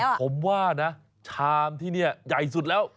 ผมว่านะชามที่นี่ใหญ่สุดแล้ว